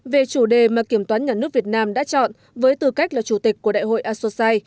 về chủ đề mà kiểm toán nhà nước việt nam đã chọn với tư cách là chủ tịch của đại hội asosai